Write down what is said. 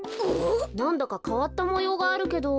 なんだかかわったもようがあるけど。